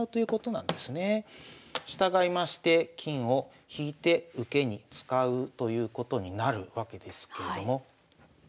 従いまして金を引いて受けに使うということになるわけですけれども。